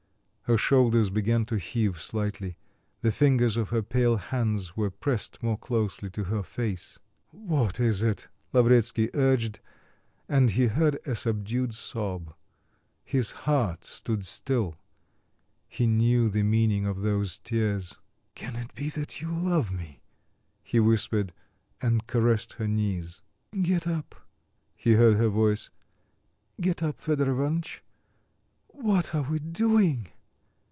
Her shoulders began to heave slightly; the fingers of her pale hands were pressed more closely to her face. "What is it?" Lavretsky urged, and he heard a subdued sob. His heart stood still.... He knew the meaning of those tears. "Can it be that you love me?" he whispered, and caressed her knees. "Get up," he heard her voice, "get up, Fedor Ivanitch. What are we doing?"